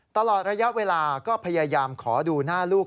ตลอดระยะเวลาก็พยายามขอดูหน้าลูก